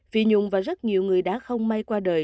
phi nhung và rất nhiều người đã không may qua đời